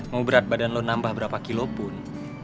mau berat badan lo nambah berapa kilo pun